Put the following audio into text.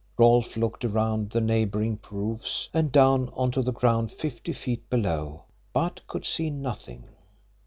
Rolfe looked around the neighbouring roofs and down onto the ground fifty feet below, but could see nothing.